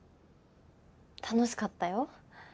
楽しかったよ。